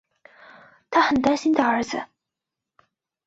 她很担心大儿子